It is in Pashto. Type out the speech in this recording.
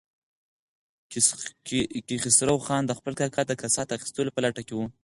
کیخسرو خان د خپل کاکا د کسات اخیستلو په لټه کې و.